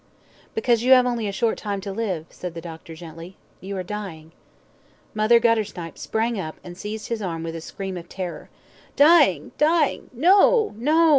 "Because you have only a short time to live," said the doctor, gently. "You are dying." Mother Guttersnipe sprang up, and seized his arm with a scream of terror. "Dyin', dyin' no! no!"